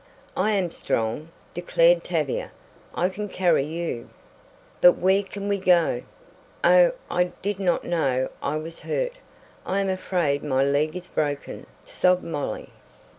"I am strong," declared Tavia. "I can carry you." "But where can we go? Oh, I did not know I was hurt! I am afraid my leg is broken!" sobbed Molly.